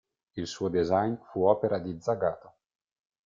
Il suo design fu opera di Zagato.